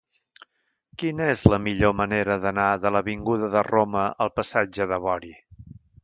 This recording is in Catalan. Quina és la millor manera d'anar de l'avinguda de Roma al passatge de Bori?